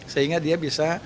sehingga dia bisa